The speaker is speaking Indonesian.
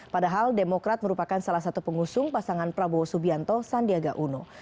padahal demokrat merupakan salah satu pengusung pasangan prabowo subianto sandiaga uno